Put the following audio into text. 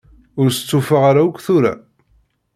Ur stufaɣ ara akk tura.